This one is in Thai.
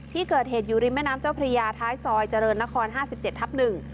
ที่เกิดเห็นอยู่ริมแม่น้ำเจ้าพระยาท้ายซอยเจริญนคร๕๗ทับ๑